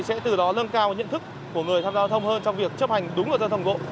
sẽ từ đó lân cao nhận thức của người tham gia giao thông hơn trong việc chấp hành đúng luật giao thông bộ